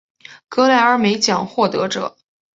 格莱美奖获得者。